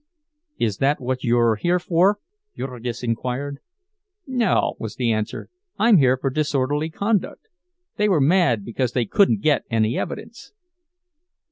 "Is that what you're here for?" Jurgis inquired. "No," was the answer. "I'm here for disorderly conduct. They were mad because they couldn't get any evidence.